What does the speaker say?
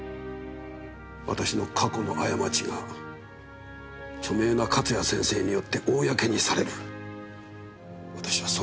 私の過去の過ちが著名な勝谷先生によって公にされる私はそれにおびえました。